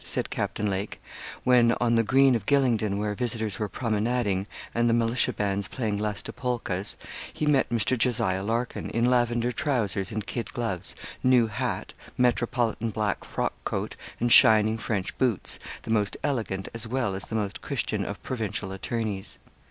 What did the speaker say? said Captain Lake, when on the green of Gylingden where visitors were promenading, and the militia bands playing lusty polkas, he met Mr. Jos. Larkin, in lavender trousers and kid gloves, new hat, metropolitan black frock coat, and shining French boots the most elegant as well as the most Christian of provincial attorneys.